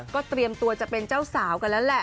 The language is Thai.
ก็เตรียมตัวจะเป็นเจ้าสาวกันแล้วแหละ